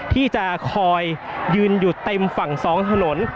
ที่จะคอยยืนอยู่เต็มฝั่งสองถนน